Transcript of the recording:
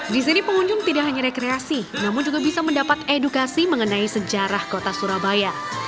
di sini pengunjung tidak hanya rekreasi namun juga bisa mendapat edukasi mengenai sejarah kota surabaya